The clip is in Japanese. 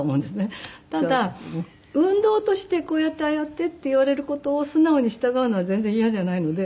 ただ運動としてこうやってああやってって言われる事を素直に従うのは全然嫌じゃないので。